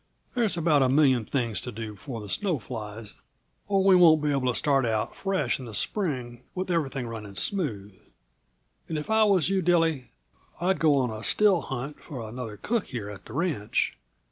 There's about a million things to do before snow flies, or we won't be able to start out fresh in the spring with everything running smooth. And if I was you, Dilly, I'd go on a still hunt for another cook here at the ranch.